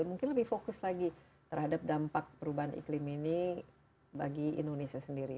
mungkin lebih fokus lagi terhadap dampak perubahan iklim ini bagi indonesia sendiri